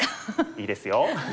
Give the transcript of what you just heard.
いいですよ。